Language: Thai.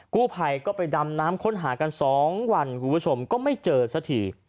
กู้ภัยก็ไปดำน้ำค้นหากัน๒วันคุณผู้ชมก็ไม่เจอสักที